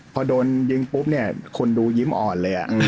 พอโดนยิงปุ๊บเนี่ยคนดูยิ้มอ่อนเลย